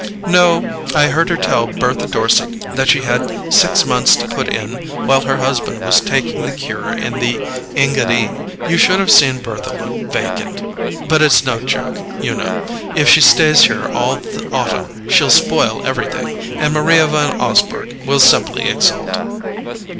"No—I heard her tell Bertha Dorset that she had six months to put in while her husband was taking the cure in the Engadine. You should have seen Bertha look vacant! But it's no joke, you know—if she stays here all the autumn she'll spoil everything, and Maria Van Osburgh will simply exult."